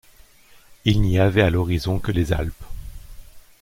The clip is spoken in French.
Il n’y avait à l’horizon que les Alpes.